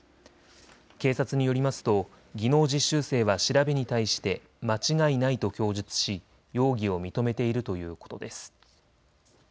警察によりますと技能実習生は調べに対して間違いないと供述し容疑を認めているということです。